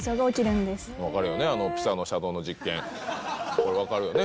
これ分かるよね